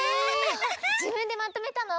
じぶんでまとめたの？